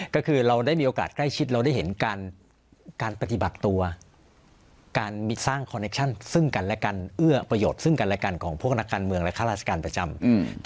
ก็คือเราได้มีโอกาสใกล้ชิดเราได้เห็นการปฏิบัติตัวการสร้างคอนเคชั่นซึ่งกันและกันเอื้อประโยชน์ซึ่งกันและกันของพวกนักการเมืองและข้าราชการประจำ